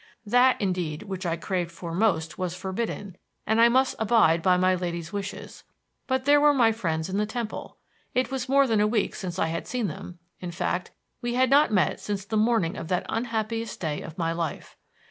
That, indeed, which I craved for most was forbidden, and I must abide by my lady's wishes; but there were my friends in the Temple. It was more than a week since I had seen them; in fact, we had not met since the morning of that unhappiest day of my life.